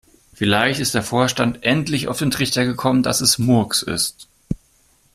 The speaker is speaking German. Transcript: Vielleicht ist der Vorstand endlich auf den Trichter gekommen, dass es Murks ist.